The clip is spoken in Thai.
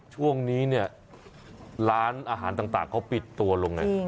ช่วงนี้เนี่ยร้านอาหารต่างเขาปิดตัวลงไง